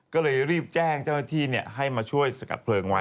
ก็เลยรีบแจ้งเจ้าหน้าที่ให้มาช่วยสกัดเพลิงไว้